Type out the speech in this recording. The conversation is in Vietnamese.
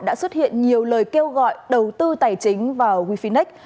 đã xuất hiện nhiều lời kêu gọi đầu tư tài chính vào wefineac